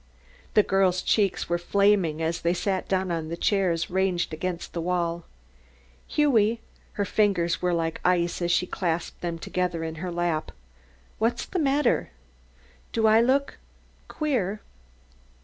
The girl's cheeks were flaming as they sat down on the chairs ranged against the wall. "Hughie," her fingers were like ice as she clasped them together in her lap. "What's the matter? Do I look queer?"